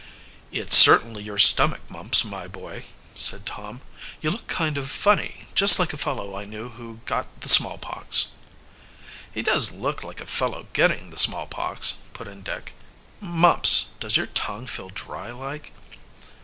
"It's certainly your stomach, Mumps, my boy," said Tom. "You look kind of funny just like a fellow I knew who got the smallpox." "He does look like a fellow getting the smallpox," put in Dick. "Mumps, does your tongue feel dry like?"